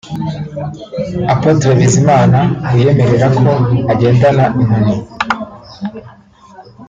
Apotre Bizimana wiyemerera ko agendana inkoni